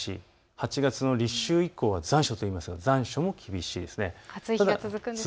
８月の立秋以降は残暑といいますが残暑も厳しいですね。